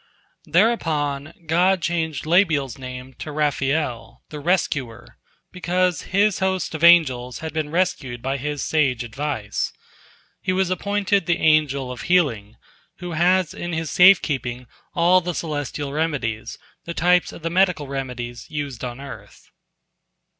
Thereupon God changed Labbiel's name to Raphael, the Rescuer, because his host of angels had been rescued by his sage advice. He was appointed the Angel of Healing, who has in his safe keeping all the celestial remedies, the types of the medical remedies used on earth.